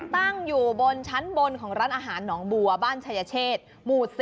ตั้งอยู่บนชั้นบนของร้านอาหารหนองบัวบ้านชายเชษหมู่๔